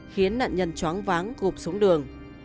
khiến nạn nhân chóng váng gục xuống đường